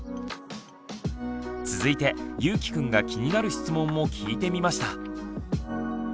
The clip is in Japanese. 続いてゆーきくんが気になる質問も聞いてみました。